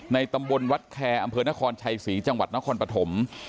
ตำบลวัดแคร์อำเภอนครชัยศรีจังหวัดนครปฐม